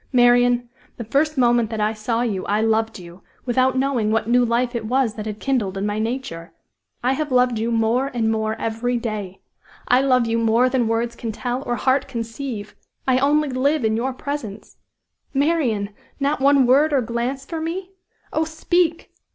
Marian, the first moment that I saw you I loved you, without knowing what new life it was that had kindled in my nature. I have loved you more and more every day! I love you more than words can tell or heart conceive! I only live in your presence! Marian! not one word or glance for me? Oh, speak!